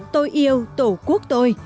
tôi yêu tổ quốc tôi